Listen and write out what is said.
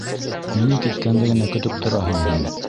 Минең киткәнде генә көтөп тораһың һин!